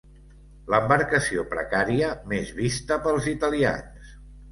L'embarcació precària més vista pels italians.